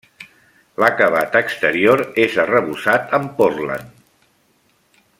L'acabat exterior és arrebossat amb pòrtland.